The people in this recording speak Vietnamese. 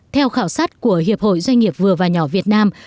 theo khảo sát của hiệp hội doanh nghiệp vừa và nhỏ việt nam